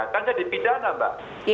kan jadi pidana mbak